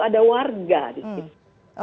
ada warga di situ